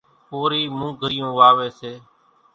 ڪورِي موُگھريئون واويَ سي۔